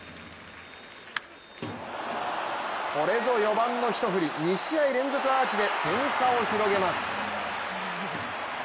これぞ４番の一振り２試合連続アーチで点差を広げます。